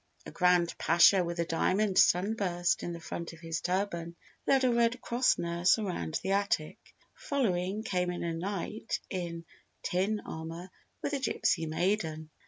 A Grand Pasha with a diamond sunburst in the front of his turban led a Red Cross nurse around the attic; following came a Knight in (tin) armour with a Gypsy Maiden.